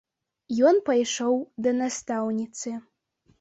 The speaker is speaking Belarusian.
Ён пайшоў да настаўніцы.